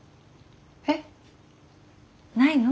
えっ？ないの？